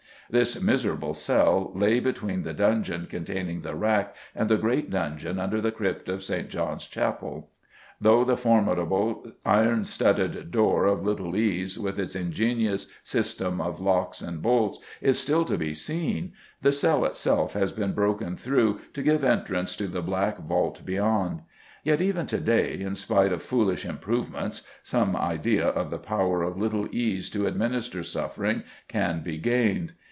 This miserable cell lay between the dungeon containing the rack and the great dungeon under the crypt of St. John's Chapel. Though the formidable iron studded door of Little Ease, with its ingenious system of locks and bolts, is still to be seen, the cell itself has been broken through to give entrance to the black vault beyond. Yet even to day, in spite of foolish "improvements," some idea of the power of Little Ease to administer suffering can be gained.